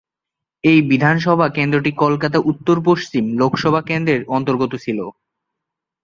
এই বিধানসভা কেন্দ্রটি কলকাতা উত্তর পশ্চিম লোকসভা কেন্দ্রের অন্তর্গত ছিল।